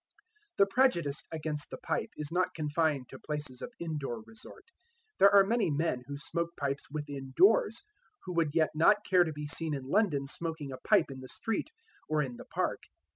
The prejudice against the pipe is not confined to places of indoor resort. There are many men who smoke pipes within doors, who yet would not care to be seen in London smoking a pipe in the street, or in the park.